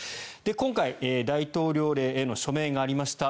今回大統領令への署名がありました